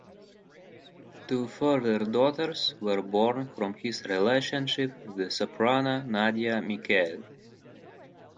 Two further daughters were born from his relationship with the soprano Nadja Michael.